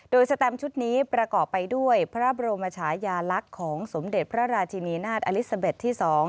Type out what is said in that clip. โดยสแตมชุดนี้ประกอบไปด้วยพระบรมชายาลักษณ์ของสมเด็จพระราชินีนาฏอลิซาเบ็ดที่๒